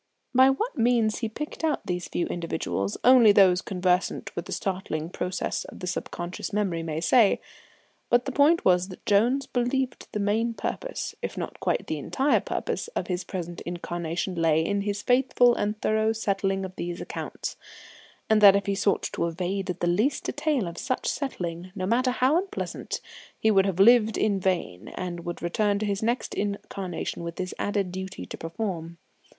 By what means he picked out these few individuals only those conversant with the startling processes of the subconscious memory may say, but the point was that Jones believed the main purpose, if not quite the entire purpose, of his present incarnation lay in his faithful and thorough settling of these accounts, and that if he sought to evade the least detail of such settling, no matter how unpleasant, he would have lived in vain, and would return to his next incarnation with this added duty to perform.